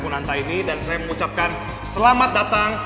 punanta ini dan saya mengucapkan selamat datang